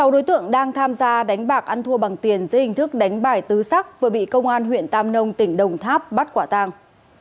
sáu đối tượng đang tham gia đánh bạc ăn thua bằng tiền dưới hình thức đánh bài tứ sắc vừa bị công an huyện tam nông tỉnh đồng tháp bắt quả tàng